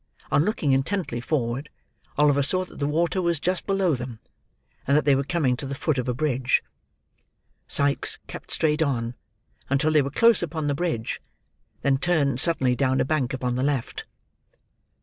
On looking intently forward, Oliver saw that the water was just below them, and that they were coming to the foot of a bridge. Sikes kept straight on, until they were close upon the bridge; then turned suddenly down a bank upon the left.